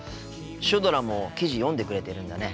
シュドラも記事読んでくれてるんだね。